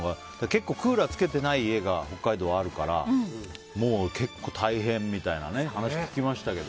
結構クーラーつけてない家が北海道はあるからもう結構、大変みたいな話を聞きましたけど。